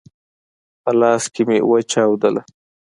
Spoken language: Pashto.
په لاس کي مي وچاودله !